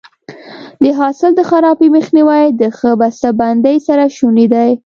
د حاصل د خرابي مخنیوی د ښه بسته بندۍ سره شونی دی.